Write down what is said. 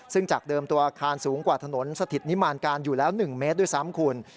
ซึ่งจากเดิมตัวอาคารสูงกว่าถนนสถิตนิมานการอยู่แล้ว๑เมตรด้วยซ้ำคุณ